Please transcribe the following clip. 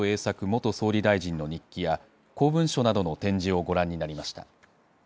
元総理大臣の日記や、公文書などの展示をご覧になりました。